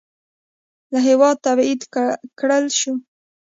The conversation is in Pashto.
له هېواده تبعید کړل شو.